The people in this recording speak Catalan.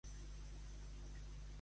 A la Pobla, botifarres.